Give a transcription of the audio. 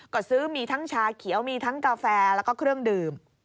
ก็ซื้อมีทั้งชาเขียวมีทั้งกาแฟแล้วก็เครื่องดื่ม